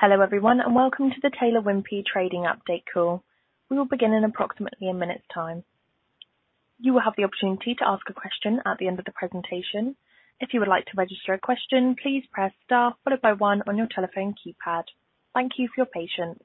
Hello, everyone, and welcome to the Taylor Wimpey trading update call. We will begin in approximately a minute's time. You will have the opportunity to ask a question at the end of the presentation. If you would like to register a question, please press star followed by one on your telephone keypad. Thank you for your patience.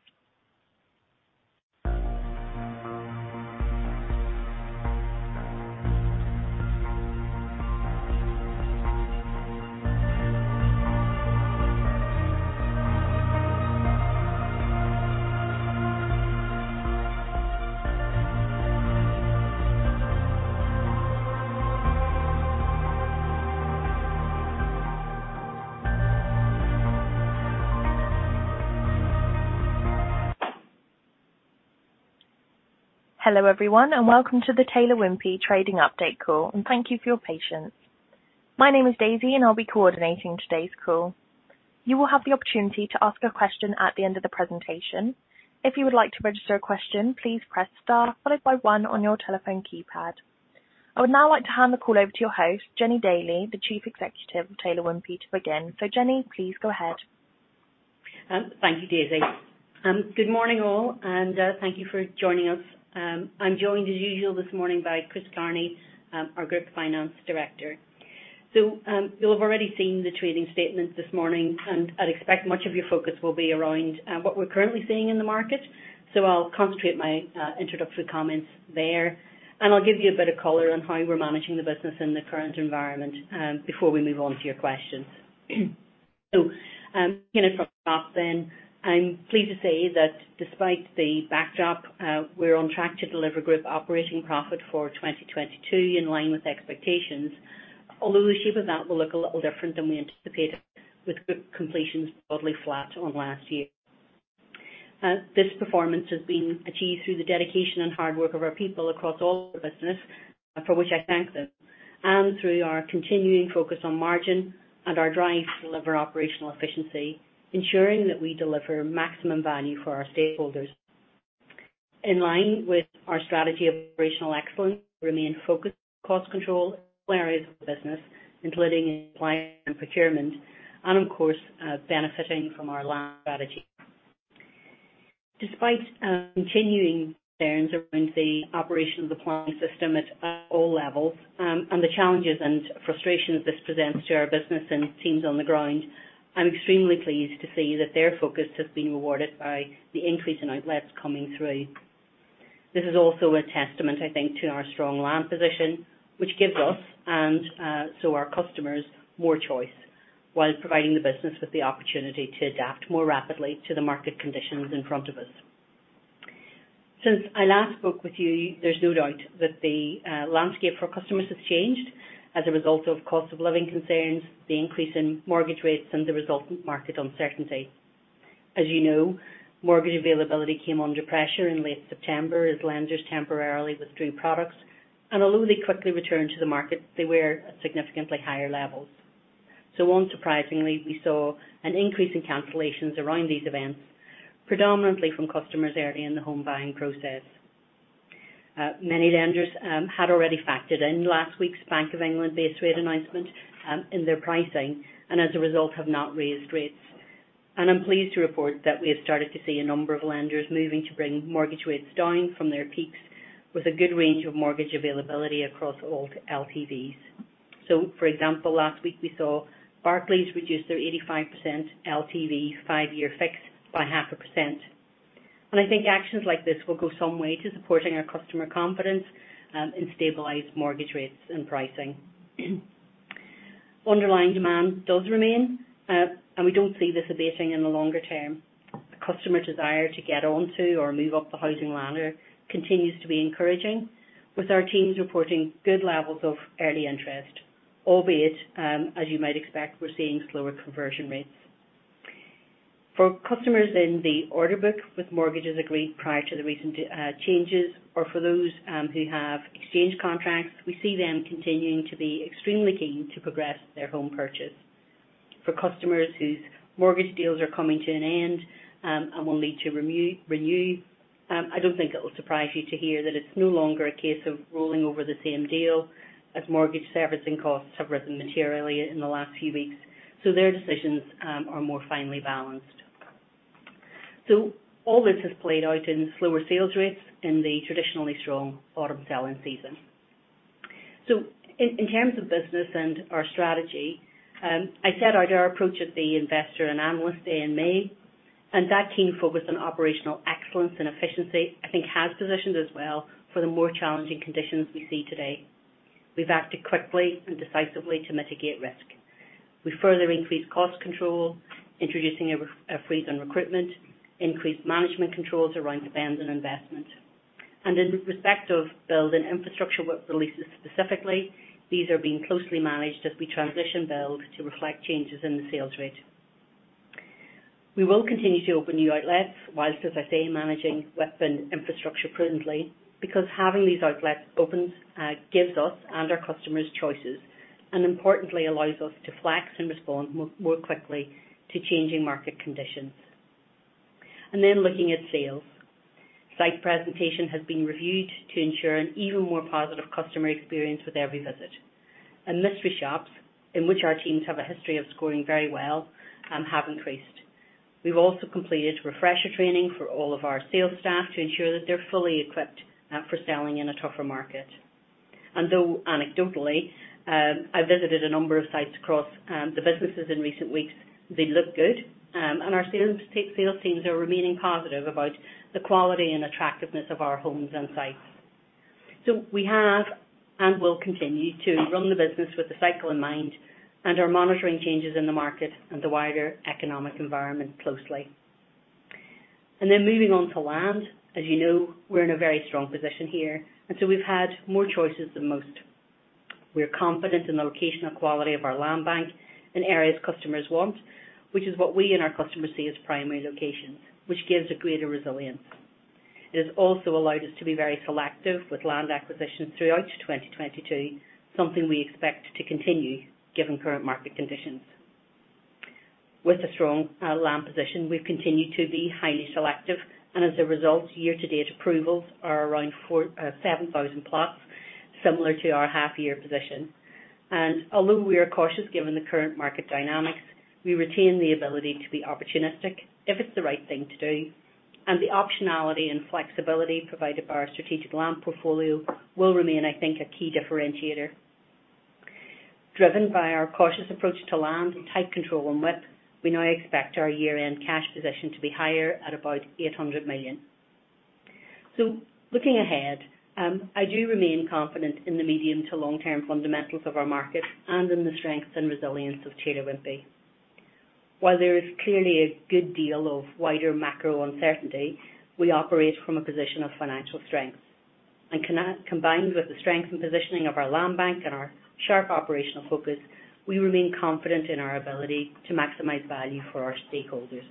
Hello, everyone, and welcome to the Taylor Wimpey trading update call, and thank you for your patience. My name is Daisy, and I'll be coordinating today's call. You will have the opportunity to ask a question at the end of the presentation. If you would like to register a question, please press star followed by one on your telephone keypad. I would now like to hand the call over to your host, Jennie Daly, the Chief Executive of Taylor Wimpey, to begin. Jennie, please go ahead. Thank you, Daisy. Good morning, all, and thank you for joining us. I'm joined as usual this morning by Chris Carney, our Group Finance Director. You'll have already seen the trading statement this morning, and I'd expect much of your focus will be around what we're currently seeing in the market. I'll concentrate my introductory comments there, and I'll give you a bit of color on how we're managing the business in the current environment before we move on to your questions. Beginning from the top then, I'm pleased to say that despite the backdrop, we're on track to deliver group operating profit for 2022 in line with expectations. Although the shape of that will look a little different than we anticipated, with group completions broadly flat on last year. This performance has been achieved through the dedication and hard work of our people across all the business, for which I thank them, and through our continuing focus on margin and our drive to deliver operational efficiency, ensuring that we deliver maximum value for our stakeholders. In line with our strategy of operational excellence, we remain focused on cost control in all areas of the business, including in supply and procurement, and of course, benefiting from our land strategy. Despite continuing concerns around the operation of the planning system at all levels, and the challenges and frustration that this presents to our business and teams on the ground, I'm extremely pleased to see that their focus has been rewarded by the increase in outlets coming through. This is also a testament, I think, to our strong land position, which gives us and so our customers more choice, while providing the business with the opportunity to adapt more rapidly to the market conditions in front of us. Since I last spoke with you, there's no doubt that the landscape for customers has changed as a result of cost of living concerns, the increase in mortgage rates, and the resultant market uncertainty. As you know, mortgage availability came under pressure in late September as lenders temporarily withdrew products, and although they quickly returned to the market, they were at significantly higher levels. Unsurprisingly, we saw an increase in cancellations around these events, predominantly from customers early in the home buying process. Many lenders had already factored in last week's Bank of England base rate announcement in their pricing and as a result, have not raised rates. I'm pleased to report that we have started to see a number of lenders moving to bring mortgage rates down from their peaks with a good range of mortgage availability across all LTVs. For example, last week we saw Barclays reduce their 85% LTV five-year fixed by 0.5%. I think actions like this will go some way to supporting our customer confidence in stabilized mortgage rates and pricing. Underlying demand does remain, and we don't see this abating in the longer term. The customer desire to get onto or move up the housing ladder continues to be encouraging, with our teams reporting good levels of early interest, albeit as you might expect, we're seeing slower conversion rates. For customers in the order book with mortgages agreed prior to the recent changes or for those who have exchanged contracts, we see them continuing to be extremely keen to progress their home purchase. For customers whose mortgage deals are coming to an end and will need to renew, I don't think it will surprise you to hear that it's no longer a case of rolling over the same deal as mortgage servicing costs have risen materially in the last few weeks, so their decisions are more finely balanced. All this has played out in slower sales rates in the traditionally strong autumn selling season. In terms of business and our strategy, I set out our approach at the Investor and Analyst Day in May, and that keen focus on operational excellence and efficiency, I think has positioned us well for the more challenging conditions we see today. We've acted quickly and decisively to mitigate risk. We further increased cost control, introducing a freeze on recruitment, increased management controls around spend and investment. In respect of build and infrastructure work releases specifically, these are being closely managed as we transition build to reflect changes in the sales rate. We will continue to open new outlets while, as I say, managing build and infrastructure prudently because having these outlets open gives us and our customers choices and importantly allows us to flex and respond more quickly to changing market conditions. Looking at sales. Site presentation has been reviewed to ensure an even more positive customer experience with every visit. Mystery shops, in which our teams have a history of scoring very well, have increased. We've also completed refresher training for all of our sales staff to ensure that they're fully equipped for selling in a tougher market. Though anecdotally, I visited a number of sites across the businesses in recent weeks, they look good. Our sales teams are remaining positive about the quality and attractiveness of our homes and sites. We have, and will continue to run the business with the cycle in mind and are monitoring changes in the market and the wider economic environment closely. Moving on to land. As you know, we're in a very strong position here, and so we've had more choices than most. We're confident in the location and quality of our land bank in areas customers want, which is what we and our customers see as primary locations, which gives a greater resilience. It has also allowed us to be very selective with land acquisitions throughout 2022, something we expect to continue given current market conditions. With a strong land position, we've continued to be highly selective, and as a result, year-to-date approvals are around for 7,000 plots, similar to our half year position. Although we are cautious given the current market dynamics, we retain the ability to be opportunistic if it's the right thing to do. The optionality and flexibility provided by our strategic land portfolio will remain, I think, a key differentiator. Driven by our cautious approach to land and tight control on width, we now expect our year-end cash position to be higher at about 800 million. Looking ahead, I do remain confident in the medium to long-term fundamentals of our market and in the strengths and resilience of Taylor Wimpey. While there is clearly a good deal of wider macro uncertainty, we operate from a position of financial strength combined with the strength and positioning of our land bank and our sharp operational focus, we remain confident in our ability to maximize value for our stakeholders.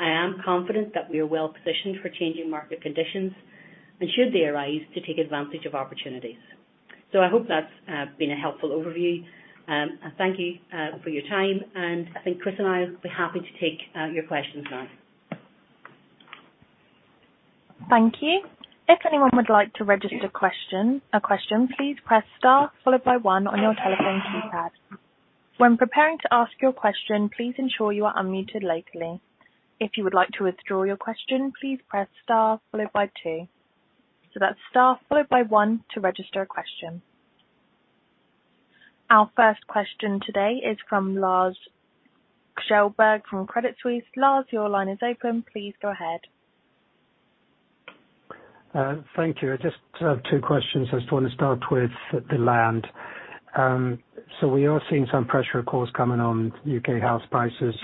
I am confident that we are well-positioned for changing market conditions and should they arise, to take advantage of opportunities. I hope that's been a helpful overview. Thank you for your time, and I think Chris and I will be happy to take your questions now. Thank you. If anyone would like to register a question, please press star followed by one on your telephone keypad. When preparing to ask your question, please ensure you are unmuted locally. If you would like to withdraw your question, please press star followed by two. So that's star followed by one to register a question. Our first question today is from Lars Kjellberg from Credit Suisse. Lars, your line is open. Please go ahead. Thank you. I just have two questions. I just wanna start with the land. So we are seeing some pressure, of course, coming on UK house prices.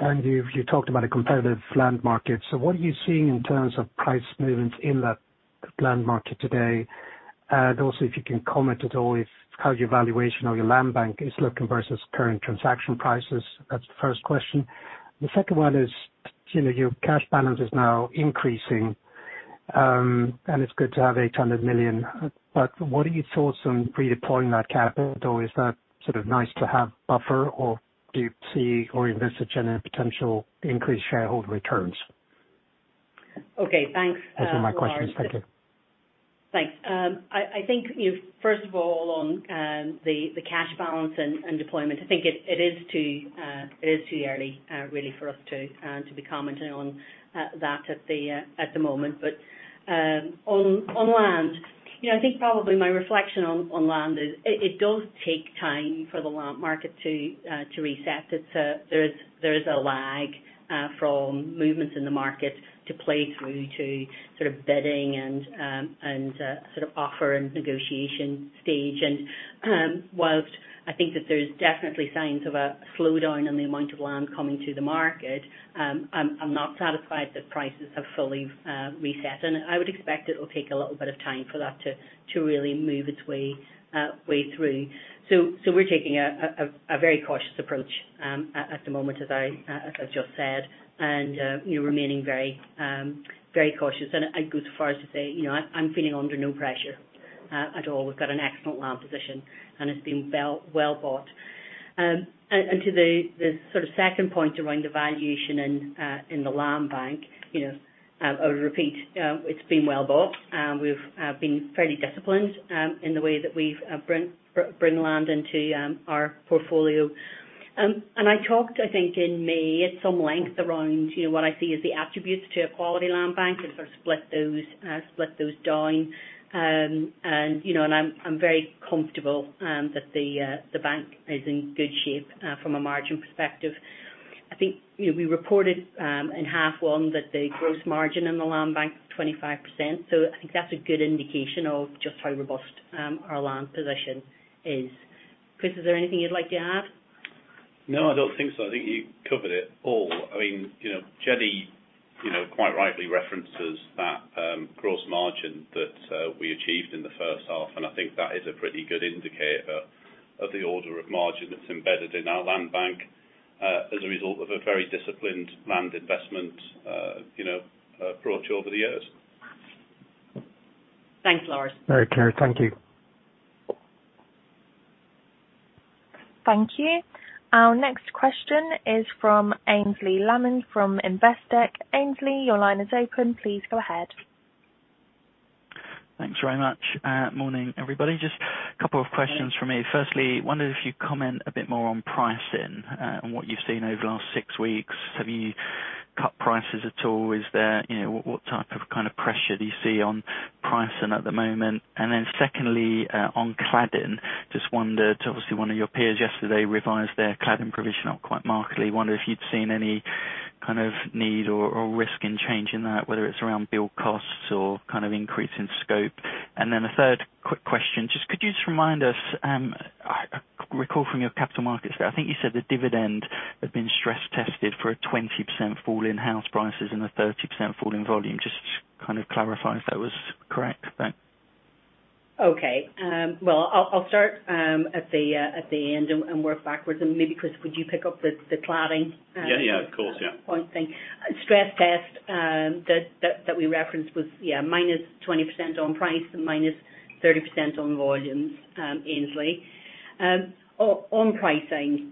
And you talked about a competitive land market. So what are you seeing in terms of price movements in that land market today? And also if you can comment at all on how your valuation of your land bank is looking versus current transaction prices. That's the first question. The second one is, you know, your cash balance is now increasing, and it's good to have 800 million. But what are your thoughts on redeploying that capital? Is that sort of nice to have buffer or do you see or envisage any potential increased shareholder returns? Okay. Thanks, Lars. Those are my questions. Thank you. Thanks. I think, you know, first of all, on the cash balance and deployment, I think it is too early, really, for us to be commenting on that at the moment. On land, you know, I think probably my reflection on land is it does take time for the land market to reset. There is a lag from movements in the market to play out to sort of bidding and sort of offer and negotiation stage. While I think that there's definitely signs of a slowdown in the amount of land coming to the market, I'm not satisfied that prices have fully reset. I would expect it'll take a little bit of time for that to really move its way through. We're taking a very cautious approach at the moment, as I just said, and you know, remaining very cautious. I'd go so far as to say, you know, I'm feeling under no pressure at all. We've got an excellent land position and it's been well bought. To the sort of second point around the valuation in the land bank, you know, I would repeat, it's been well bought. We've been fairly disciplined in the way that we've bring land into our portfolio. I talked, I think in May, at some length around, you know, what I see as the attributes to a quality land bank and sort of split those down. You know, I'm very comfortable that the bank is in good shape from a margin perspective. I think, you know, we reported in half one that the gross margin in the land bank was 25%, so I think that's a good indication of just how robust our land position is. Chris, is there anything you'd like to add? No, I don't think so. I think you covered it all. I mean, you know, Jennie, you know, quite rightly references that, gross margin that we achieved in the first half, and I think that is a pretty good indicator of the order of margin that's embedded in our land bank, you know, approach over the years. Thanks, Lars. All right. Clear. Thank you. Thank you. Our next question is from Aynsley Lammin from Investec. Aynsley, your line is open. Please go ahead. Thanks very much. Morning, everybody. Just a couple of questions from me. Firstly, wondered if you'd comment a bit more on pricing, and what you've seen over the last six weeks. Have you cut prices at all? Is there, you know, what type of, kind of pressure do you see on pricing at the moment? And then secondly, on cladding, just wondered, obviously one of your peers yesterday revised their cladding provision up quite markedly. Wonder if you'd seen any kind of need or risk in change in that, whether it's around build costs or kind of increase in scope. And then a third quick question, just could you just remind us, recall from your capital markets that I think you said the dividend had been stress tested for a 20% fall in house prices and a 30% fall in volume. Just kind of clarify if that was correct. Thanks. Okay. Well, I'll start at the end and work backwards. Maybe, Chris, would you pick up the cladding? Yeah, yeah, of course, yeah. Point thing. Stress test that we referenced was, yeah, -20% on price and -30% on volumes, Aynsley. On pricing,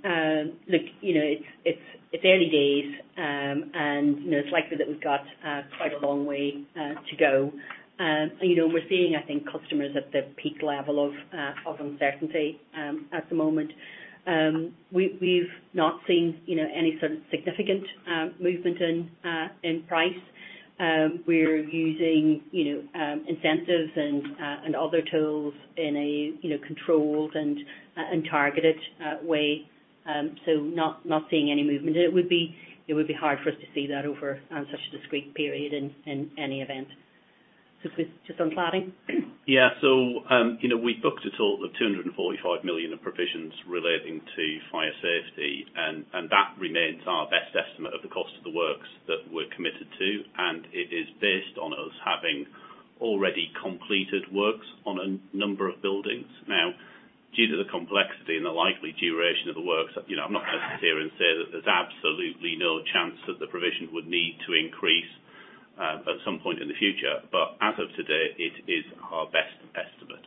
look, you know, it's early days, and you know, it's likely that we've got quite a long way to go. You know, we're seeing, I think, customers at their peak level of uncertainty at the moment. We've not seen, you know, any sort of significant movement in price. We're using, you know, incentives and other tools in a controlled and targeted way. Not seeing any movement. It would be hard for us to see that over such a discrete period in any event. Chris, just on cladding. Yeah. You know, we booked a total of 245 million of provisions relating to fire safety and that remains our best estimate of the cost of the works that we're committed to, and it is based on us having already completed works on a number of buildings. Now, due to the complexity and the likely duration of the works, you know, I'm not gonna sit here and say that there's absolutely no chance that the provision would need to increase, at some point in the future. As of today, it is our best estimate.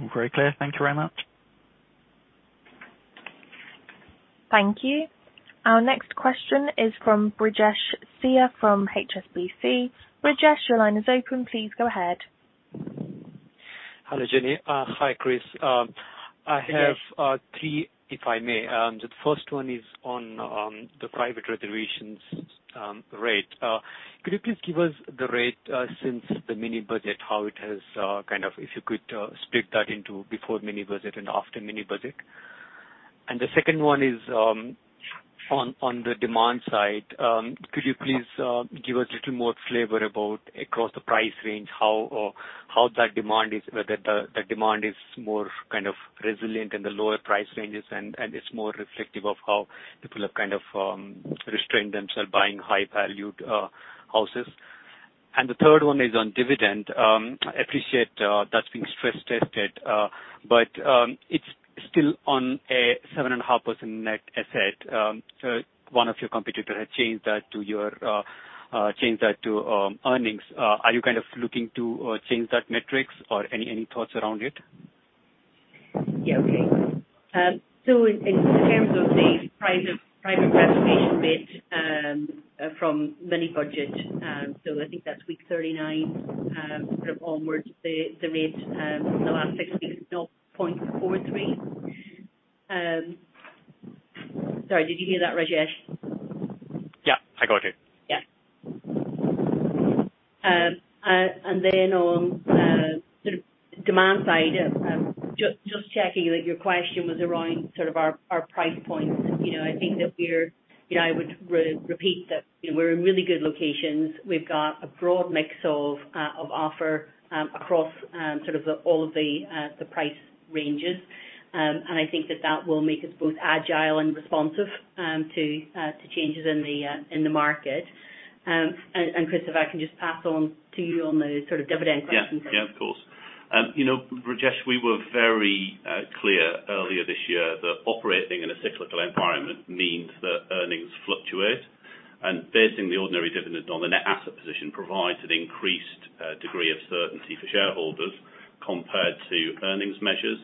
All very clear. Thank you very much. Thank you. Our next question is from Brijesh Siya from HSBC. Brijesh, your line is open. Please go ahead. Hello, Jennie. Hi, Chris. Yes. I have three, if I may. The first one is on the private reservations rate. Could you please give us the rate since the mini budget. If you could split that into before mini budget and after mini budget. The second one is on the demand side. Could you please give us a little more flavor about across the price range, how that demand is, whether the demand is more kind of resilient in the lower price ranges, and it's more reflective of how people have kind of restrained themselves buying high-valued houses. The third one is on dividend. I appreciate that's been stress tested, but it's still on a 7.5% net asset. One of your competitors had changed that to earnings. Are you kind of looking to change that metrics or any thoughts around it? Yeah. Okay. In terms of the private reservation rate from mini-budget, I think that's week 39 sort of onwards, the rate in the last six weeks is now 0.43%. Sorry, did you hear that, Brijesh? Yeah, I got it. Yeah, on the demand side, just checking that your question was around sort of our price points. You know, I would repeat that, you know, we're in really good locations. We've got a broad mix of offer across all of the price ranges. I think that will make us both agile and responsive to changes in the market. Chris, if I can just pass on to you on the sort of dividend question. Yeah. Yeah, of course. You know, Brijesh we were very clear earlier this year that operating in a cyclical environment means that earnings fluctuate. Basing the ordinary dividend on the net asset position provides an increased degree of certainty for shareholders compared to earnings measures.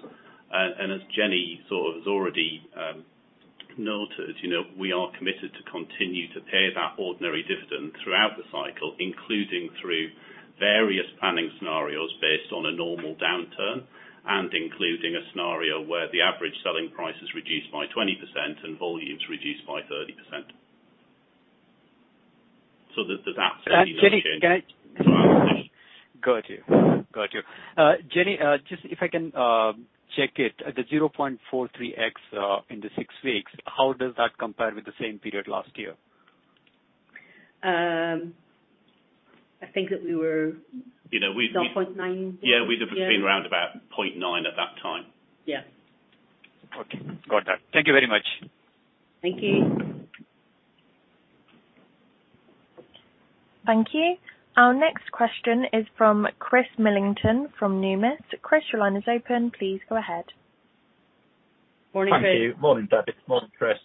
As Jennie sort of has already noted, you know, we are committed to continue to pay that ordinary dividend throughout the cycle, including through various planning scenarios based on a normal downturn and including a scenario where the average selling price is reduced by 20% and volumes reduced by 30%. Jennie, can I Got you. Jennie, just if I can, check it. The 0.43x in the six weeks, how does that compare with the same period last year? I think that we were. You know, we 0.9. Yeah Yeah We'd have been round about 0.9 at that time. Yeah. Okay. Got that. Thank you very much. Thank you. Thank you. Our next question is from Chris Millington from Numis. Chris, your line is open. Please go ahead. Morning, Chris. Thank you. Morning, Jennie. Morning, Chris.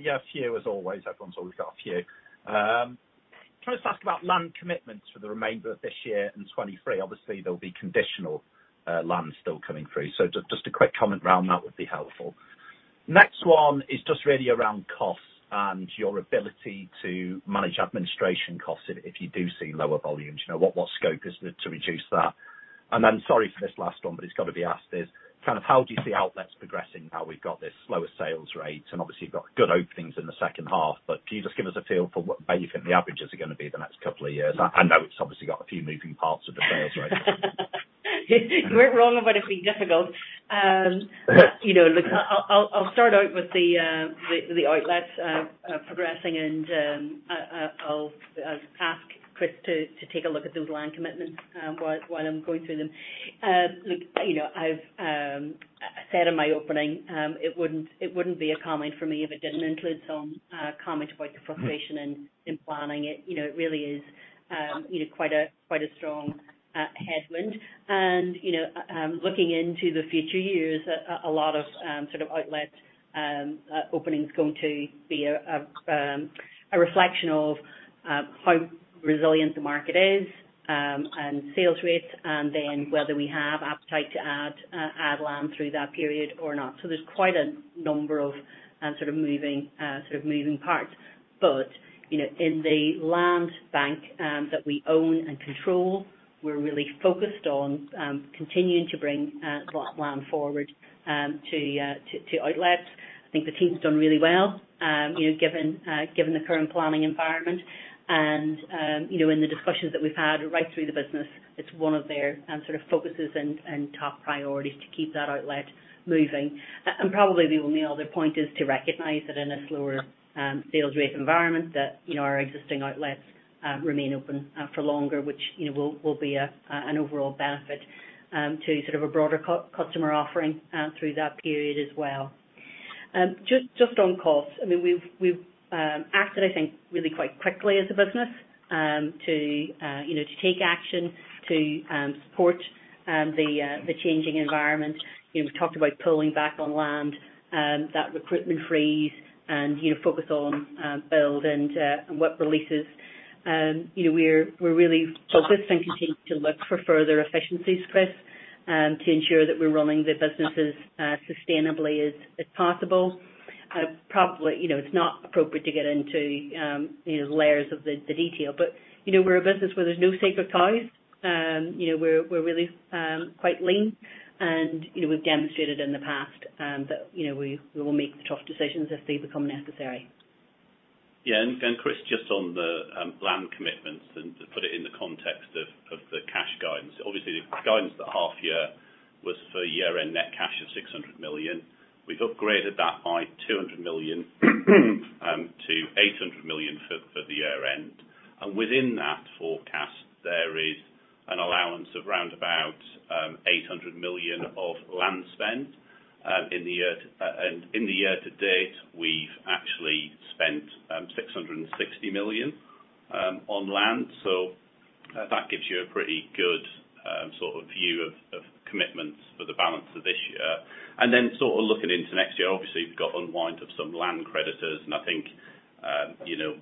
Yeah, a few as always. Everyone's always got a few. Can I just ask about land commitments for the remainder of this year and 2023? Obviously, there'll be conditional land still coming through, so just a quick comment around that would be helpful. Next one is just really around costs and your ability to manage administration costs if you do see lower volumes. You know, what scope is there to reduce that? Sorry for this last one, but it's got to be asked. How do you see outlets progressing now we've got this slower sales rate? Obviously you've got good openings in the second half, but can you just give us a feel for what way you think the averages are gonna be the next couple of years? I know it's obviously got a few moving parts with the sales rate. You weren't wrong about it being difficult. You know, look, I'll start out with the outlets progressing and I'll ask Chris to take a look at those land commitments while I'm going through them. Look, you know, I've said in my opening, it wouldn't be a comment for me if it didn't include some comment about the frustration in planning it. You know, it really is you know, quite a strong headwind. You know, looking into the future years, a lot of sort of outlet openings going to be a reflection of how resilient the market is and sales rates, and then whether we have appetite to add land through that period or not. There's quite a number of sort of moving parts. You know, in the land bank that we own and control, we're really focused on continuing to bring land forward to outlets. I think the team's done really well, you know, given the current planning environment. You know, in the discussions that we've had right through the business, it's one of their sort of focuses and top priorities to keep that outlet moving. Probably the only other point is to recognize that in a slower sales rate environment, you know, our existing outlets remain open for longer, which, you know, will be an overall benefit to sort of a broader customer offering through that period as well. Just on costs, I mean, we've acted, I think, really quite quickly as a business to, you know, to take action to support the changing environment. You know, we've talked about pulling back on land, that recruitment freeze and, you know, focus on build and plot releases. You know, we're really focused and continue to look for further efficiencies, Chris, to ensure that we're running the business as sustainably as possible. Probably, you know, it's not appropriate to get into, you know, layers of the detail, but, you know, we're a business where there's no sacred cows. You know, we're really quite lean and, you know, we've demonstrated in the past, that, you know, we will make the tough decisions if they become necessary. Yeah. Chris, just on the land commitments and to put it in the context of the cash guidance. Obviously, the guidance for the half year was for year-end net cash of 600 million. We've upgraded that by 200 million to 800 million for the year end. Within that forecast, there is an allowance of round about 800 million of land spend in the year. In the year to date, we've actually spent 660 million on land. That gives you a pretty good sort of view of commitments for the balance of this year. Then sort of looking into next year, obviously, we've got unwind of some land creditors, and I think, you know,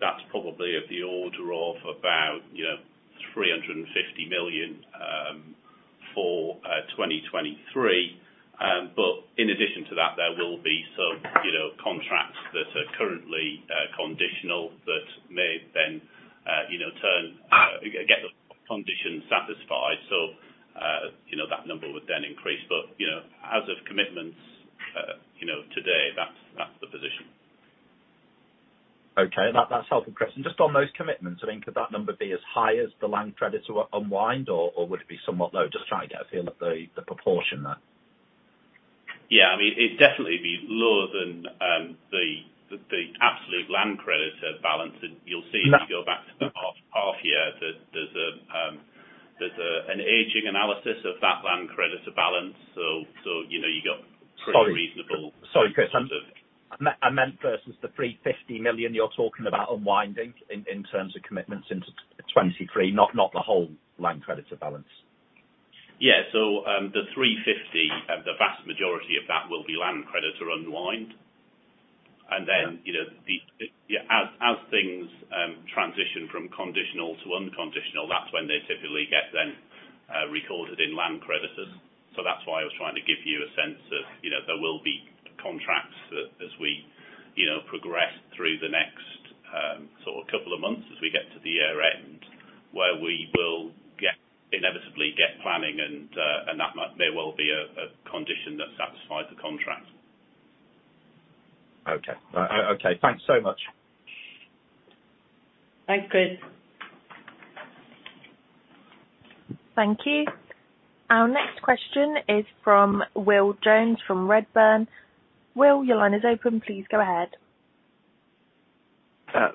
that's probably of the order of about, you know, 350 million for 2023. But in addition to that, there will be some, you know, contracts that are currently conditional that may then, you know, get the conditions satisfied. You know, that number would then increase. You know, as of commitments, you know, today, that's the position. Okay. That's helpful, Chris. Just on those commitments, I think could that number be as high as the land credits were unwound or would it be somewhat low? Just trying to get a feel of the proportion there. Yeah, I mean, it'd definitely be lower than the absolute land creditor balance. You'll see if you go back to the half year that there's an aging analysis of that land creditor balance. You know, you got Sorry. Pretty reasonable. Sorry, Chris. I meant versus the 350 million you're talking about unwinding in terms of commitments into 2023, not the whole land creditor balance. Yeah. The 350, the vast majority of that will be land creditor unwind. You know, as things transition from conditional to unconditional, that's when they typically get then recorded in land creditors. So that's why I was trying to give you a sense of, you know, there will be contracts as we, you know, progress through the next sort of couple of months as we get to the year end, where we will inevitably get planning and that may well be a condition that satisfies the contract. Okay. Thanks so much. Thanks, Chris. Thank you. Our next question is from Will Jones from Redburn. Will, your line is open. Please go ahead.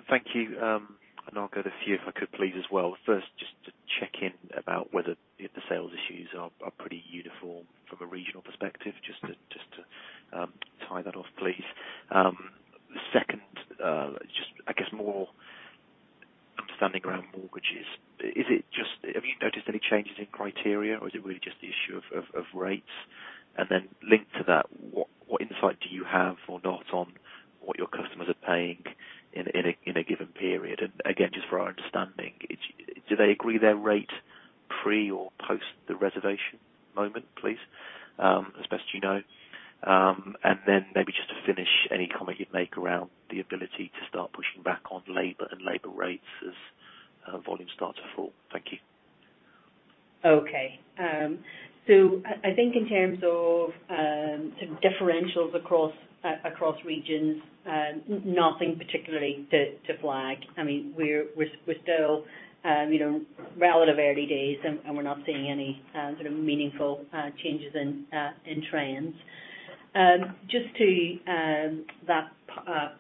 Thank you. I'll get a few, if I could please as well. First, just to check in about whether the sales issues are pretty uniform from a regional perspective, just to tie that off please. Just, I guess, more understanding around mortgages. Have you noticed any changes in criteria, or is it really just the issue of rates? Then linked to that, what insight do you have or not on what your customers are paying in a given period? Again, just for our understanding, do they agree their rate pre or post the reservation moment, please, as best you know? Then maybe just to finish, any comment you'd make around the ability to start pushing back on labor and labor rates as volumes start to fall. Thank you. I think in terms of sort of differentials across regions, nothing particularly to flag. I mean, we're still you know, relatively early days, and we're not seeing any sort of meaningful changes in trends. Just to that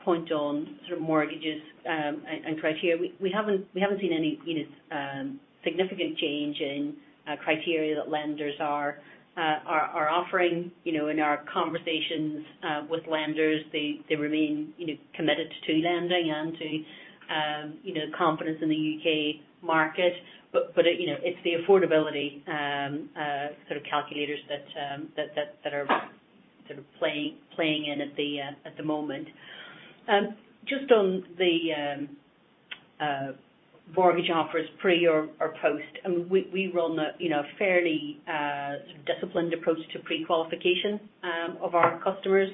point on sort of mortgages and criteria, we haven't seen any you know, significant change in criteria that lenders are offering. You know, in our conversations with lenders, they remain you know, committed to lending and to confidence in the UK market. You know, it's the affordability sort of calculators that are sort of playing in at the moment. Just on the mortgage offers pre or post, we run a you know fairly sort of disciplined approach to pre-qualification of our customers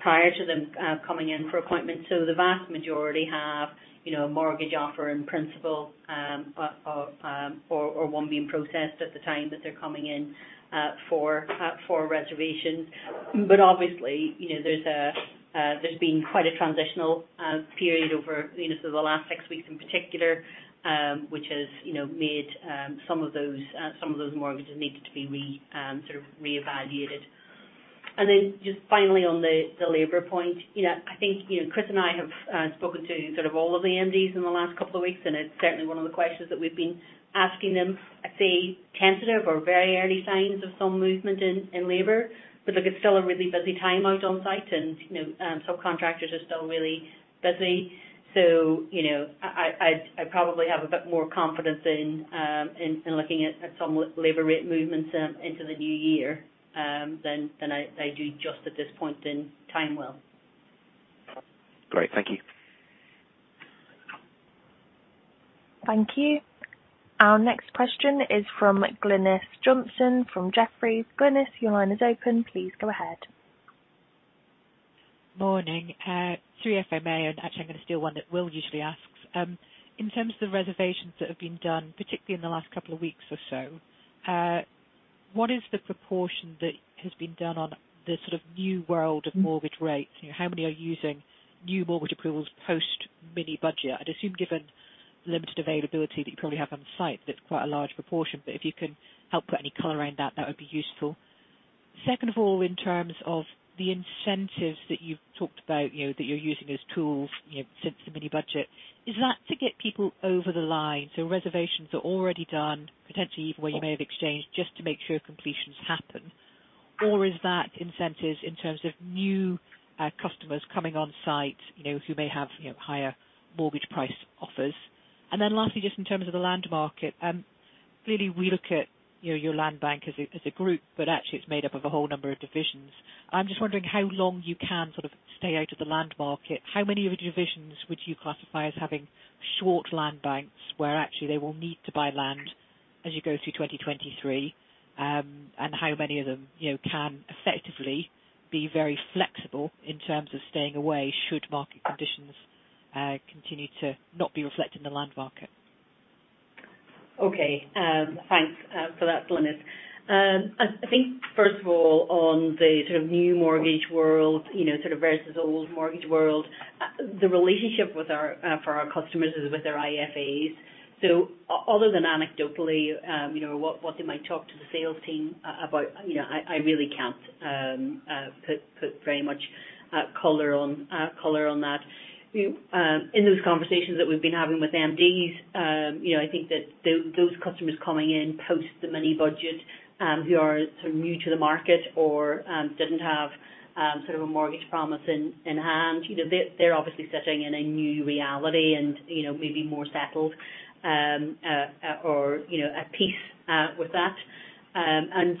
prior to them coming in for appointments. The vast majority have you know a mortgage offer in principle or one being processed at the time that they're coming in for reservations. Obviously you know there's been quite a transitional period over you know sort of the last six weeks in particular which has you know made some of those mortgages needed to be sort of reevaluated. Then just finally on the labor point, you know, I think, you know, Chris and I have spoken to sort of all of the MDs in the last couple of weeks, and it's certainly one of the questions that we've been asking them. I'd say tentative or very early signs of some movement in labor. Look, it's still a really busy time out on site and, you know, subcontractors are still really busy. You know, I'd probably have a bit more confidence in looking at some labor rate movements into the new year than I do just at this point in time, Will. Great. Thank you. Thank you. Our next question is from Glynis Johnson from Jefferies. Glynis, your line is open. Please go ahead. Morning. Through FMB, actually I'm gonna steal one that Will usually asks. In terms of the reservations that have been done, particularly in the last couple of weeks or so, what is the proportion that has been done on the sort of new world of mortgage rates? You know, how many are using new mortgage approvals post mini budget? I'd assume given limited availability that you probably have on site, that's quite a large proportion. But if you can help put any color around that would be useful. Second of all, in terms of the incentives that you've talked about, you know, that you're using as tools, you know, since the mini budget, is that to get people over the line, so reservations are already done, potentially even where you may have exchanged just to make sure completions happen? Or is that incentives in terms of new customers coming on site, you know, who may have, you know, higher mortgage price offers? Then lastly, just in terms of the land market, clearly we look at, you know, your land bank as a group, but actually it's made up of a whole number of divisions. I'm just wondering how long you can sort of stay out of the land market. How many of your divisions would you classify as having short land banks, where actually they will need to buy land as you go through 2023? How many of them, you know, can effectively be very flexible in terms of staying away should market conditions continue to not be reflected in the land market? Okay. Thanks for that, Glynis. I think first of all, on the sort of new mortgage world, you know, sort of versus old mortgage world, the relationship for our customers is with their IFA's. Other than anecdotally, you know, what they might talk to the sales team about, you know, I really can't put very much color on that. In those conversations that we've been having with MD's, you know, I think that those customers coming in post the mini budget, who are sort of new to the market or didn't have sort of a mortgage promise in hand, you know, they're obviously sitting in a new reality and, you know, maybe more settled or, you know, at peace with that.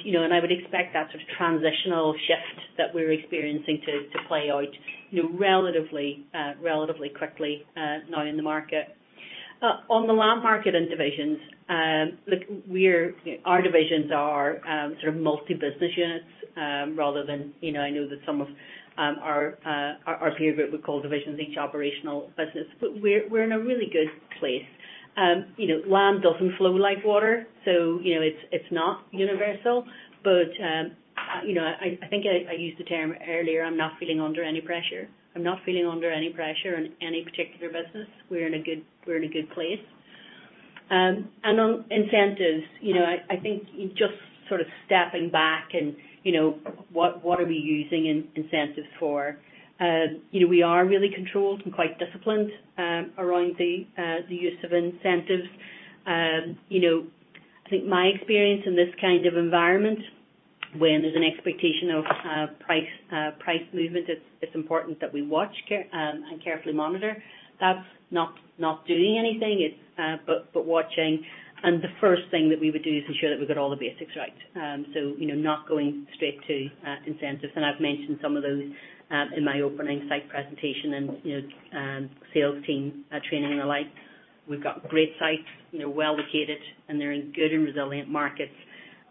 You know, I would expect that sort of transitional shift that we're experiencing to play out, you know, relatively quickly now in the market. On the land market and divisions, look, our divisions are sort of multi-business units rather than, you know. I know that some of our peer group would call divisions each operational business. We're in a really good place. You know, land doesn't flow like water, so, you know, it's not universal. You know, I think I used the term earlier, I'm not feeling under any pressure. I'm not feeling under any pressure in any particular business. We're in a good place. On incentives, you know, I think just sort of stepping back and, you know, what are we using incentives for? You know, we are really controlled and quite disciplined around the use of incentives. You know, I think my experience in this kind of environment. When there's an expectation of price movement, it's important that we watch with care and carefully monitor. That's not doing anything. It's just watching. The first thing that we would do is ensure that we've got all the basics right. So, you know, not going straight to incentives, and I've mentioned some of those in my opening site presentation and, you know, sales team training and the like. We've got great sites. They're well-located, and they're in good and resilient markets.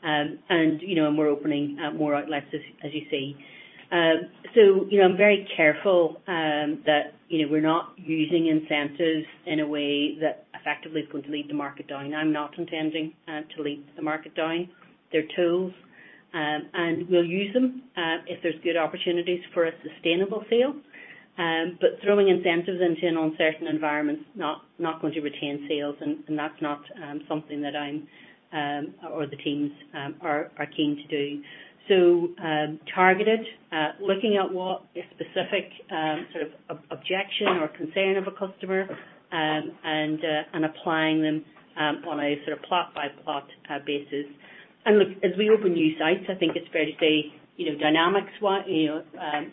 You know, we're opening up more outlets as you see. So, you know, I'm very careful that, you know, we're not using incentives in a way that effectively is going to lead the market down. I'm not intending to lead the market down. They're tools, and we'll use them if there's good opportunities for a sustainable sale. Throwing incentives into an uncertain environment's not going to retain sales, and that's not something that I'm or the teams are keen to do. Targeted looking at what a specific sort of objection or concern of a customer and applying them on a sort of plot by plot basis. Look, as we open new sites, I think it's fair to say, you know, dynamics, you know,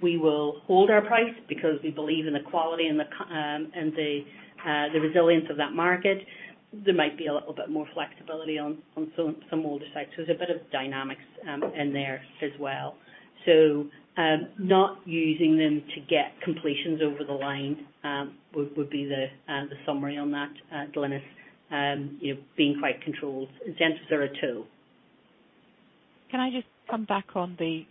we will hold our price because we believe in the quality and the resilience of that market. There might be a little bit more flexibility on some older sites. There's a bit of dynamics in there as well. Not using them to get completions over the line would be the summary on that, Glynis. You know, being quite controlled. Incentives are a tool. Can I just come back on the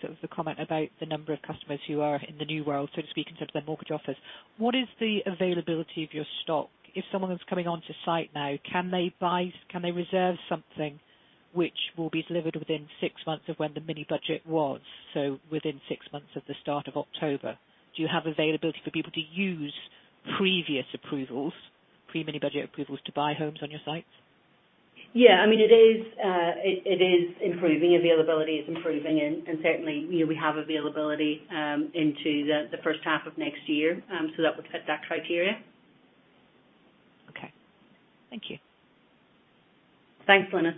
sort of comment about the number of customers who are in the new world, so to speak, in terms of their mortgage offers? What is the availability of your stock? If someone is coming onto site now, can they reserve something which will be delivered within six months of when the mini budget was, so within six months of the start of October? Do you have availability for people to use previous approvals, pre-mini budget approvals, to buy homes on your sites? Yeah. I mean, it is improving. Availability is improving and certainly, you know, we have availability into the first half of next year, so that would fit that criteria. Okay. Thank you. Thanks, Glynis.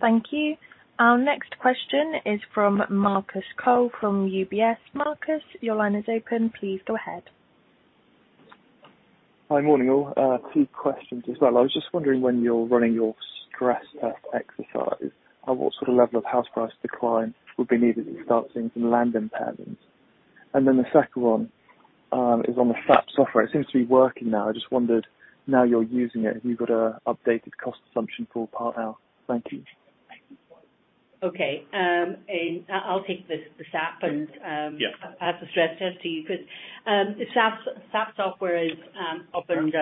Thank you. Our next question is from Marcus Cole from UBS. Marcus, your line is open. Please go ahead. Hi. Morning, all. Two questions as well. I was just wondering when you're running your stress test exercise, what sort of level of house price decline would be needed to start seeing some land impairments? The second one is on the SAP software. It seems to be working now. I just wondered, now you're using it, have you got an updated cost assumption for part L now? Thank you. Okay. I'll take the SAP and Yeah. Pass the stress test to you. Good. The SAP software is up and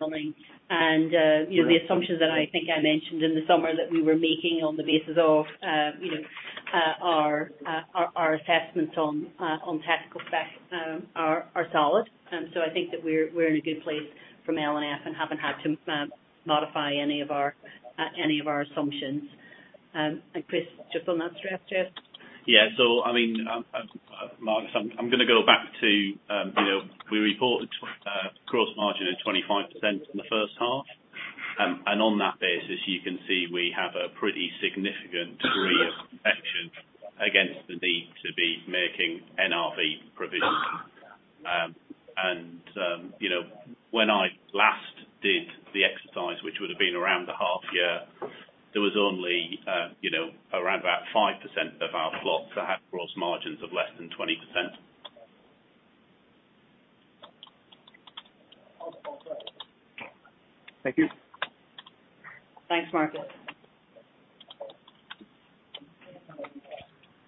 running. Great. You know, the assumptions that I think I mentioned in the summer that we were making on the basis of, you know, our assessments on technical spec are solid. I think that we're in a good place from L&F and haven't had to modify any of our assumptions. Chris, just on that stress test. Yeah. I mean, Marcus, I'm gonna go back to, you know, we reported gross margin of 25% in the first half. On that basis, you can see we have a pretty significant degree of protection against the need to be making NRV provisions. You know, when I last did the exercise, which would have been around the half year, there was only, you know, around about 5% of our plots that had gross margins of less than 20%. Thank you. Thanks, Marcus.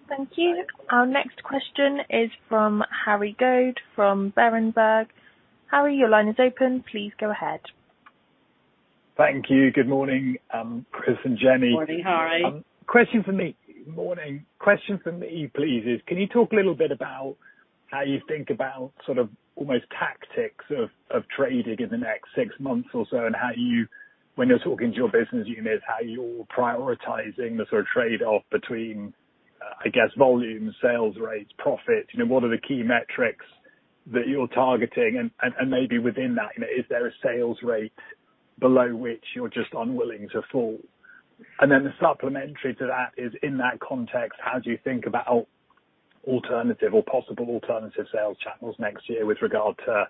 Thank you. Our next question is from Harry Goad from Berenberg. Harry, your line is open. Please go ahead. Thank you. Good morning, Chris and Jennie. Morning, Harry. Morning. Question from me, please, is can you talk a little bit about how you think about sort of almost tactics of trading in the next six months or so and how you, when you're talking to your business units, how you're prioritizing the sort of trade-off between, I guess, volume, sales rates, profits, you know, what are the key metrics that you're targeting? Maybe within that, you know, is there a sales rate below which you're just unwilling to fall? Then the supplementary to that is, in that context, how do you think about alternative or possible alternative sales channels next year with regard to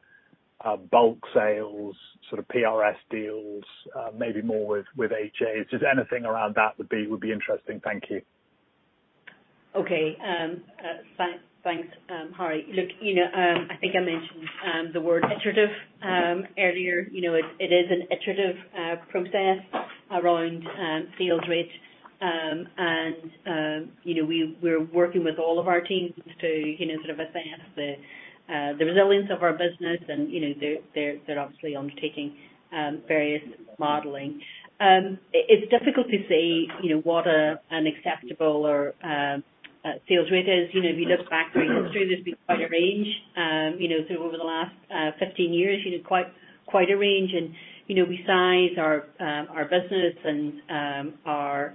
bulk sales, sort of PRS deals, maybe more with HAs? Just anything around that would be interesting. Thank you. Okay. Thanks, Harry. Look, you know, I think I mentioned the word iterative earlier. You know, it is an iterative process around sales rate. You know, we are working with all of our teams to you know, sort of assess the resilience of our business and, you know, they are obviously undertaking various modeling. It is difficult to say, you know, what an acceptable sales rate is. You know, if you look back through history, there has been quite a range, you know, over the last 15 years, you know, quite a range. You know, we size our business and our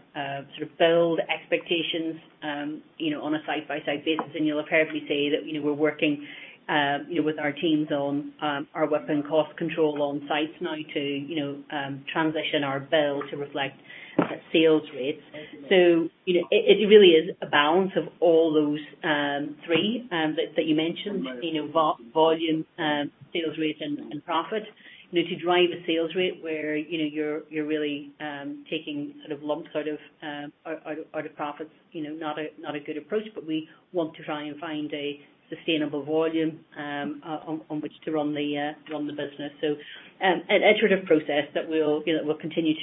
sort of build expectations. You know, on a side-by-side basis. You'll apparently say that, you know, we're working, you know, with our teams on our WIP and cost control on sites now to, you know, transition our build to reflect sales rates. It really is a balance of all those three that you mentioned. You know, volume, sales rate, and profit. You know, to drive a sales rate where, you know, you're really taking sort of lumps out of profits, you know, not a good approach, but we want to try and find a sustainable volume on which to run the business. an iterative process that we'll, you know, continue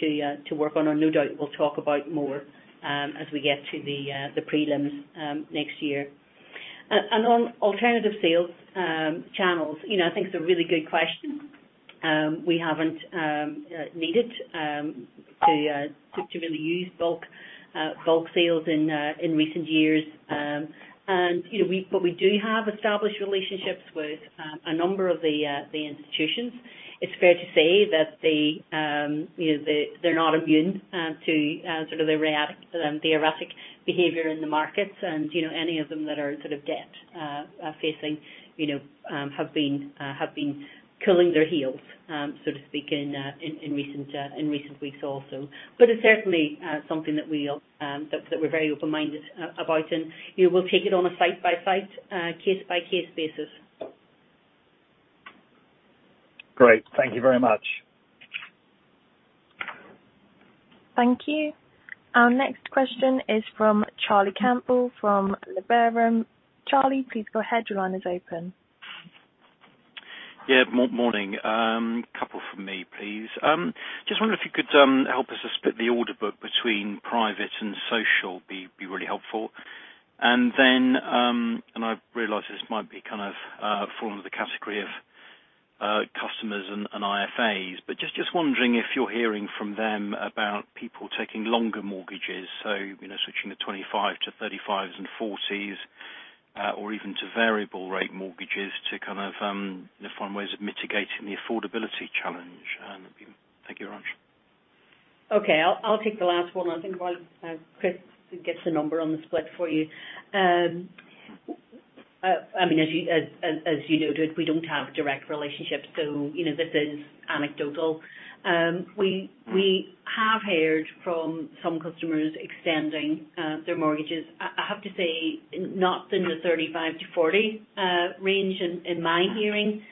to work on, and no doubt we'll talk about more as we get to the prelims next year. On alternative sales channels. You know, I think it's a really good question. We haven't needed to really use bulk sales in recent years. You know, but we do have established relationships with a number of the institutions. It's fair to say that they, you know, they're not immune to sort of the erratic behavior in the markets. You know, any of them that are sort of debt facing, you know, have been cooling their heels, so to speak, in recent weeks also. It's certainly something that we're all very open-minded about. You know, we'll take it on a site-by-site, case-by-case basis. Great. Thank you very much. Thank you. Our next question is from Charlie Campbell from Liberum. Charlie, please go ahead. Your line is open. Yeah. Morning. Couple from me, please. Just wonder if you could help us to split the order book between private and social. Would be really helpful. I realize this might be kind of fall under the category of customers and IFA's, but just wondering if you're hearing from them about people taking longer mortgages, so you know, switching to 25 to 35 and 40s, or even to variable rate mortgages to kind of you know, find ways of mitigating the affordability challenge. Thank you very much. Okay. I'll take the last one I think while Chris gets the number on the split for you. I mean, as you noted, we don't have direct relationships, so you know, this is anecdotal. We have heard from some customers extending their mortgages. I have to say not in the 35 to 40 range in my hearing,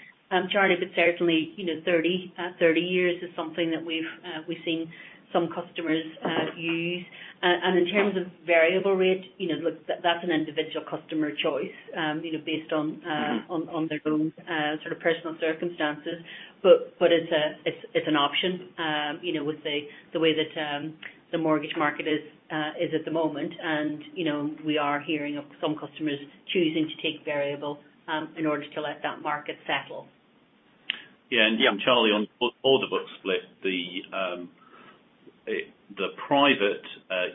Charlie, but certainly you know, 30 years is something that we've seen some customers use. In terms of variable rate, you know, look, that's an individual customer choice, you know, based on their own sort of personal circumstances. It's an option, you know, with the way that the mortgage market is at the moment and, you know, we are hearing of some customers choosing to take variable in order to let that market settle. Yeah. Charlie, on order book split, the private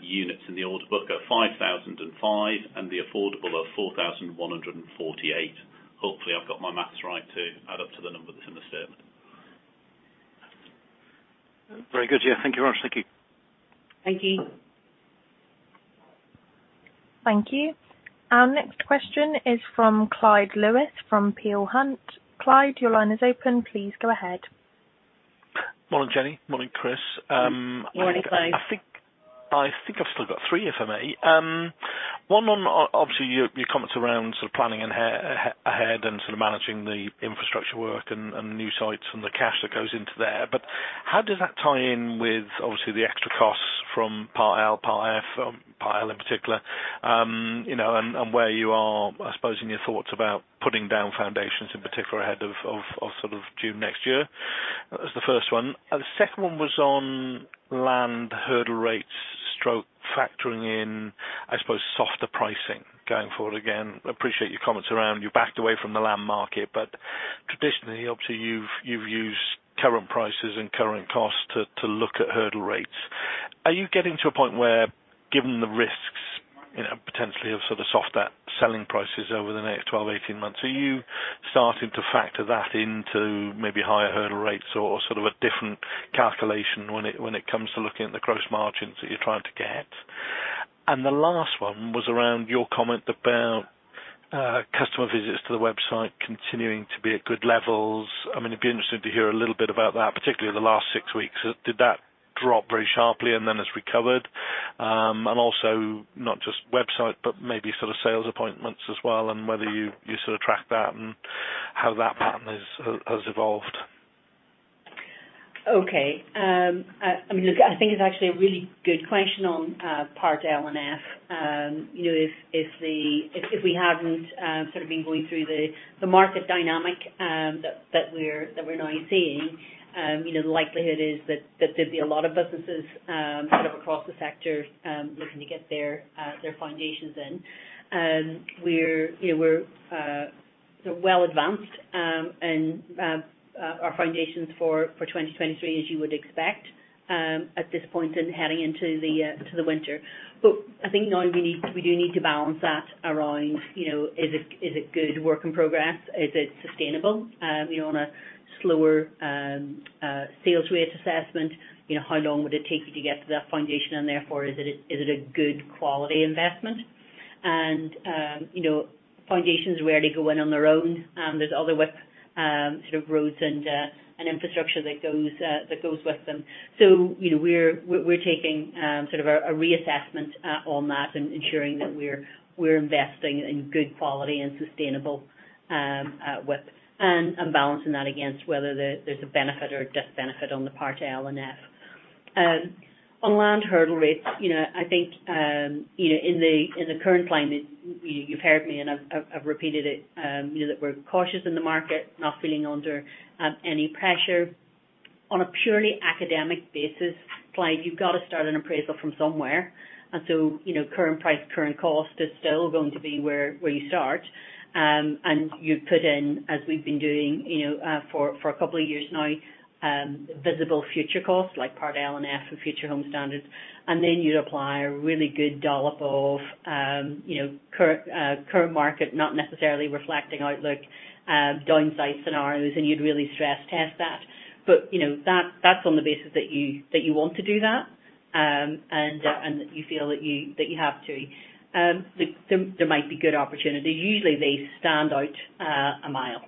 units in the order book are 5,005, and the affordable are 4,148. Hopefully, I've got my math right to add up to the number that's in the statement. Very good. Yeah. Thank you very much. Thank you. Thank you. Thank you. Our next question is from Clyde Lewis from Peel Hunt. Clyde, your line is open. Please go ahead. Morning, Jennie. Morning, Chris. Morning, Clyde. I think I've still got three, if I may. One on obviously your comments around sort of planning ahead and sort of managing the infrastructure work and new sites and the cash that goes into there, but how does that tie in with obviously the extra costs from part L, part F, part L in particular? You know, and where you are, I suppose, in your thoughts about putting down foundations in particular ahead of sort of June next year. That was the first one. The second one was on land hurdle rates stroke factoring in, I suppose, softer pricing going forward, again, appreciate your comments around you backed away from the land market. But traditionally, obviously, you've used current prices and current costs to look at hurdle rates. Are you getting to a point where, given the risks, you know, potentially of sort of softer selling prices over the next 12, 18 months, are you starting to factor that into maybe higher hurdle rates or sort of a different calculation when it comes to looking at the gross margins that you're trying to get? The last one was around your comment about customer visits to the website continuing to be at good levels. I mean, it'd be interesting to hear a little bit about that, particularly in the last six weeks. Did that drop very sharply and then has recovered? And also not just website, but maybe sort of sales appointments as well, and whether you sort of track that and how that pattern has evolved. Okay. I mean, look, I think it's actually a really good question on part L and F. You know, if we haven't sort of been going through the market dynamic that we're now seeing, you know, the likelihood is that there'd be a lot of businesses sort of across the sector looking to get their foundations in. We're you know, sort of well advanced in our foundations for 2023, as you would expect, at this point in heading into the winter. I think now we need, we do need to balance that around, you know, is it good work in progress? Is it sustainable? You know, on a slower sales rate assessment. You know, how long would it take you to get to that foundation, and therefore, is it a good quality investment? You know, foundations, where do you go in on their own? There's other WIP's, sort of roads and infrastructure that goes with them. You know, we're taking sort of a reassessment on that and ensuring that we're investing in good quality and sustainable WIP. I'm balancing that against whether there's a benefit or a disbenefit on the part L and part F. On land hurdle rates, you know, I think, you know, in the current climate, you've heard me, and I've repeated it, you know, that we're cautious in the market, not feeling under any pressure. On a purely academic basis, Clyde, you've got to start an appraisal from somewhere. You know, current price, current cost is still going to be where you start. You put in, as we've been doing, you know, for a couple of years now, visible future costs, like part L and F for future home standards. You'd apply a really good dollop of, you know, current market, not necessarily reflecting outlook, downside scenarios, and you'd really stress test that. You know, that's on the basis that you want to do that, and that you feel that you have to. There might be good opportunity. Usually, they stand out a mile.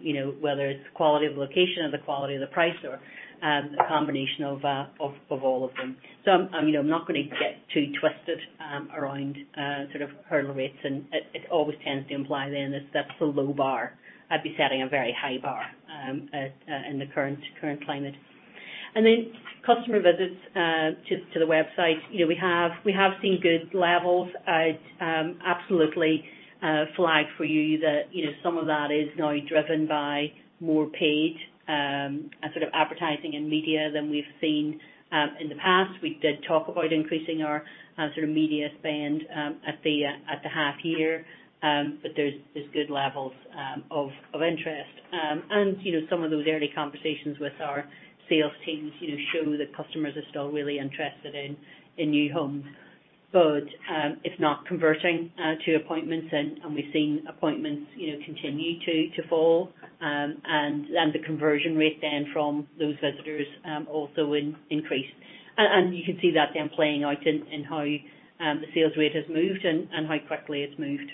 You know, whether it's quality of location or the quality of the price or a combination of all of them. I'm you know not gonna get too twisted around sort of hurdle rates, and it always tends to imply then if that's a low bar. I'd be setting a very high bar in the current climate. Then customer visits to the website. You know, we have seen good levels. I'd absolutely flag for you that you know some of that is now driven by more paid sort of advertising and media than we've seen in the past. We did talk about increasing our sort of media spend at the half year. But there's good levels of interest. You know, some of those early conversations with our sales teams, you know, show that customers are still really interested in new homes. If not converting to appointments, and we're seeing appointments, you know, continue to fall. The conversion rate then from those visitors also increase. You can see that then playing out in how the sales rate has moved and how quickly it's moved.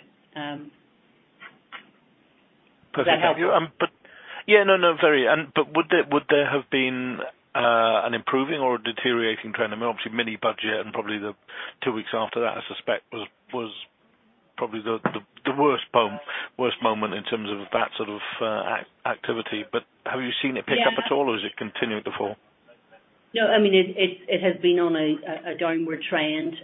Perfect. Does that help? Thank you. Yeah, no, very. Would there have been an improving or a deteriorating trend? I mean, obviously mini budget and probably the two weeks after that I suspect was probably the worst moment in terms of that sort of activity. Have you seen it pick up at all? Yeah. Has it continued to fall? No, I mean, it has been on a downward trend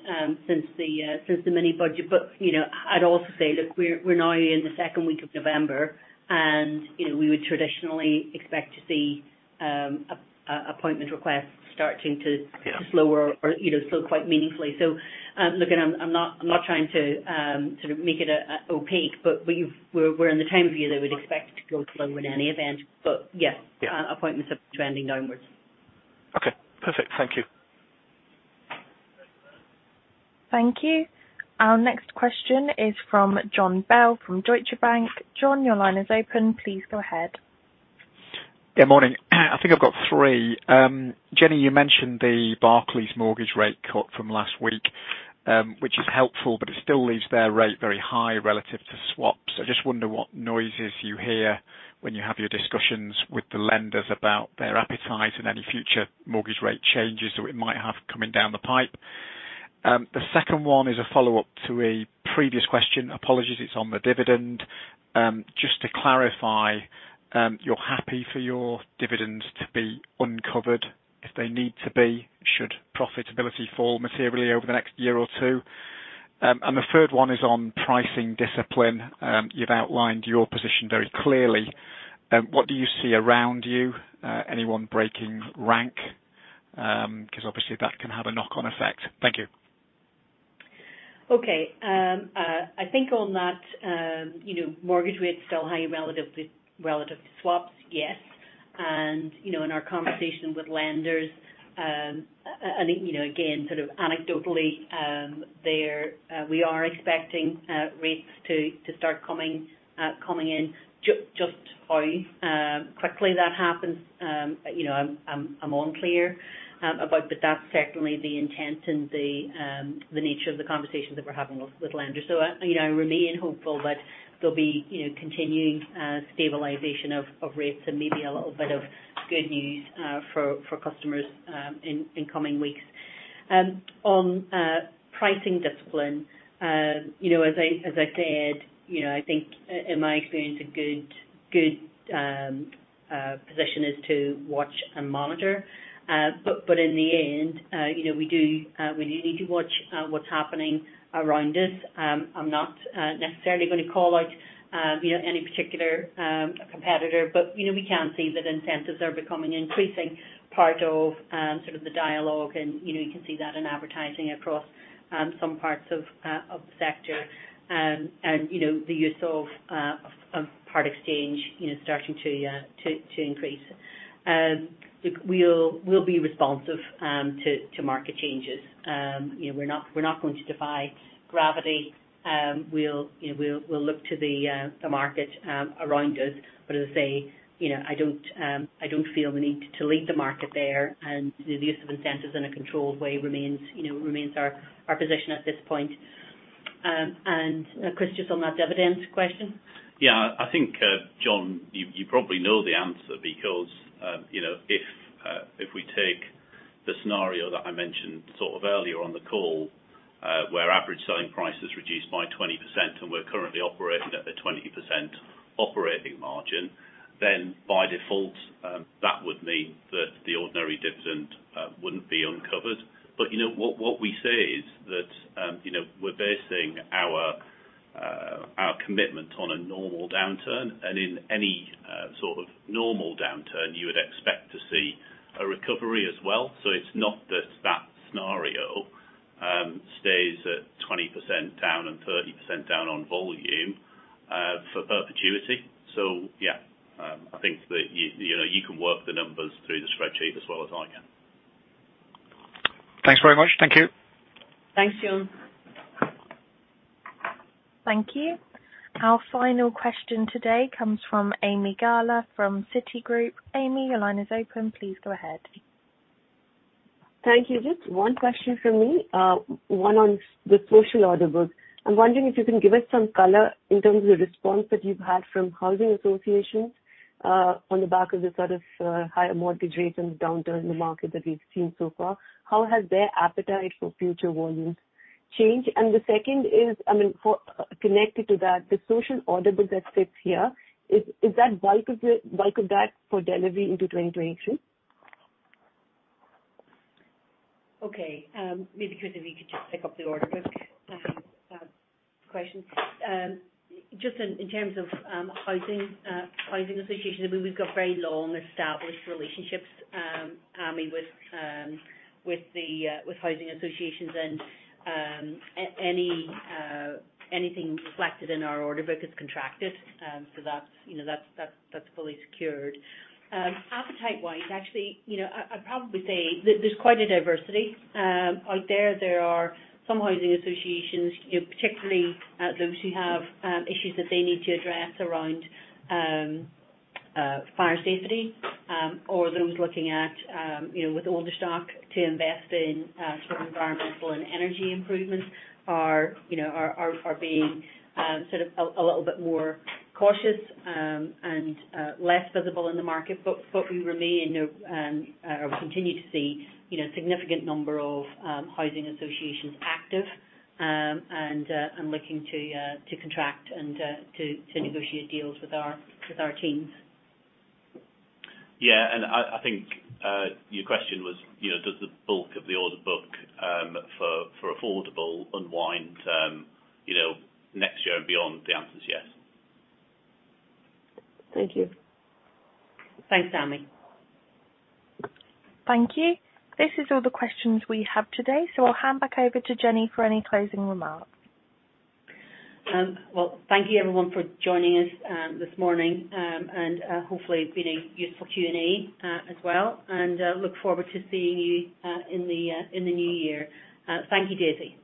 since the mini budget. You know, I'd also say, look, we're now in the second week of November, and you know, we would traditionally expect to see a appointment requests starting to. Yeah. Slower or, you know, slow quite meaningfully. Look, I'm not trying to sort of make it opaque, but we're in the time of year that we'd expect to go slow in any event. Yes. Yeah. Appointments are trending downward. Okay, perfect. Thank you. Thank you. Our next question is from Jon Bell from Deutsche Bank. Jon, your line is open. Please go ahead. Yeah, morning. I think I've got three. Jennie, you mentioned the Barclays mortgage rate cut from last week, which is helpful, but it still leaves their rate very high relative to swaps. I just wonder what noises you hear when you have your discussions with the lenders about their appetite and any future mortgage rate changes that we might have coming down the pipe. The second one is a follow-up to a previous question. Apologies, it's on the dividend. Just to clarify, you're happy for your dividends to be uncovered if they need to be, should profitability fall materially over the next year or two? The third one is on pricing discipline. You've outlined your position very clearly. What do you see around you? Anyone breaking rank? 'Cause obviously that can have a knock-on effect. Thank you. Okay. I think on that, you know, mortgage rates still high relatively to swaps, yes. You know, in our conversation with lenders, and you know, again, sort of anecdotally, we are expecting rates to start coming in. Just how quickly that happens, you know, I'm unclear about, but that's certainly the intent and the nature of the conversations that we're having with lenders. You know, I remain hopeful that there'll be, you know, continuing stabilization of rates and maybe a little bit of good news for customers in coming weeks. On pricing discipline, you know, as I said, you know, I think in my experience, a good position is to watch and monitor. In the end, you know, we need to watch what's happening around us. I'm not necessarily gonna call out, you know, any particular competitor, but you know, we can see that incentives are becoming an increasing part of sort of the dialogue and, you know, you can see that in advertising across some parts of the sector. The use of part exchange, you know, starting to increase. We'll be responsive to market changes. You know, we're not going to defy gravity. We'll, you know, look to the market around us, as I say, you know, I don't feel the need to lead the market there, and the use of incentives in a controlled way remains, you know, remains our position at this point. Chris, just on that dividend question. Yeah. I think, Jon, you probably know the answer because, you know, if we take the scenario that I mentioned sort of earlier on the call, where average selling price is reduced by 20%, and we're currently operating at a 20% operating margin, then by default, that would mean that the ordinary dividend wouldn't be uncovered. You know, what we say is that, you know, we're basing our commitment on a normal downturn, and in any sort of normal downturn, you would expect to see a recovery as well. It's not that that scenario stays at 20% down and 30% down on volume for perpetuity. Yeah, I think that, you know, you can work the numbers through the spreadsheet as well as I can. Thanks very much. Thank you. Thanks, Jon. Thank you. Our final question today comes from Ami Galla from Citigroup. Ami, your line is open. Please go ahead. Thank you. Just one question from me, one on the social order book. I'm wondering if you can give us some color in terms of the response that you've had from housing associations on the back of the sort of higher mortgage rates and downturn in the market that we've seen so far. How has their appetite for future volumes changed? The second is, I mean, connected to that, the social order book that sits here, is that bulk of that for delivery into 2023? Okay, maybe, Chris, if you could just pick up the order book question. Just in terms of housing associations, I mean, we've got very long-established relationships, Ami, with housing associations and any anything reflected in our order book is contracted. So that's, you know, that's fully secured. Appetite-wise, actually, you know, I'd probably say there's quite a diversity out there. There are some housing associations, you know, particularly those who have issues that they need to address around fire safety, or those looking at, you know, with older stock to invest in sort of environmental and energy improvements are, you know, being sort of a little bit more cautious and less visible in the market. We remain or we continue to see, you know, a significant number of housing associations active and looking to contract and to negotiate deals with our teams. Yeah. I think your question was, you know, does the bulk of the order book for affordable unwind, you know, next year and beyond? The answer is yes. Thank you. Thanks, Ami. Thank you. This is all the questions we have today, so I'll hand back over to Jennie for any closing remarks. Well, thank you everyone for joining us this morning. Hopefully it's been a useful Q&A as well. Look forward to seeing you in the new year. Thank you, Daisy.